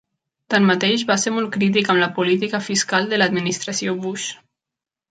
Tanmateix, va ser molt crític amb la política fiscal de l'Administració Bush.